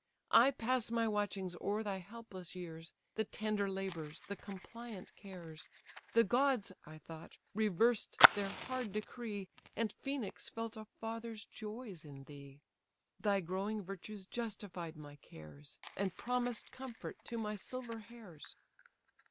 I pass my watchings o'er thy helpless years, The tender labours, the compliant cares, The gods (I thought) reversed their hard decree, And Phœnix felt a father's joys in thee: Thy growing virtues justified my cares, And promised comfort to my silver hairs.